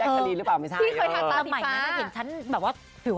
พี่เก